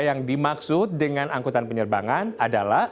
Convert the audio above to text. yang dimaksud dengan angkutan penyerbangan adalah